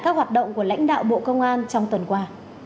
các hoạt động của lãnh đạo bộ công an trong tuần qua